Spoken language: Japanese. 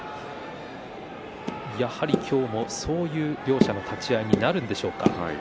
そういう両者の立ち合いになるんでしょうか。